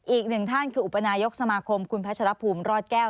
อีกหนึ่งท่านคืออุปนายกสมาคมคุณพัชรภูมิรอดแก้ว